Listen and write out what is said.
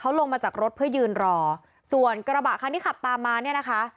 ลงมาจากรถเพื่อยืนรอส่วนกระบะคันที่ขับตามมาเนี่ยนะคะ